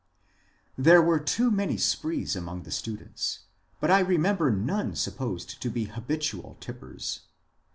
There were too many sprees among the students, but I re member none supposed to be habitual tipplers.